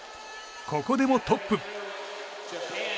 ここでもトップ。